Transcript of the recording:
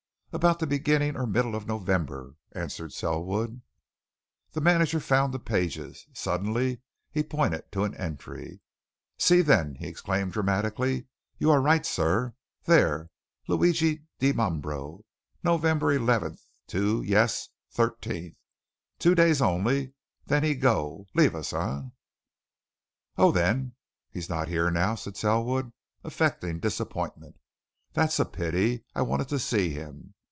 "About the beginning or middle of November," answered Selwood. The manager found the pages: suddenly he pointed to an entry. "See, then!" he exclaimed dramatically. "You are right, sir. There Luigi Dimambro November 11th to yes 13th. Two days only. Then he go leave us, eh?" "Oh, then, he's not here now," said Selwood, affecting disappointment. "That's a pity. I wanted to see him.